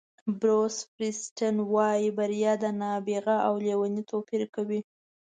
بروس فیریسټن وایي بریا د نابغه او لېوني توپیر کوي.